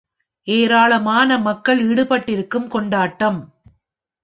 ஏராளமான மக்கள ஈடுபட்டிருக்கும் கொண்டாட்டம்.